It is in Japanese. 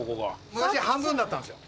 昔半分だったんすよ。